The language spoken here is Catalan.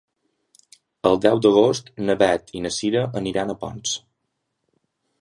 El deu d'agost na Beth i na Cira aniran a Ponts.